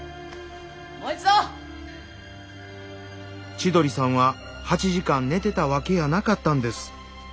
千鳥さんは８時間寝てたわけやなかったんです。